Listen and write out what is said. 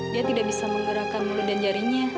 dia tidak bisa menggerakkan mulut dan jarinya